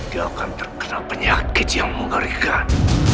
dia akan terkena penyakit yang mengerikan